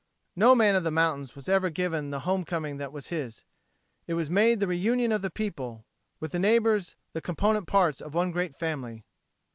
No man of the mountains was ever given the home coming that was his. It was made the reunion of the people, with the neighbors the component parts of one great family.